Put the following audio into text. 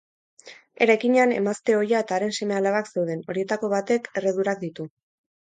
Eraikinean emazte ohia eta haren seme-alabak zeuden, horietako batek erredurak ditu.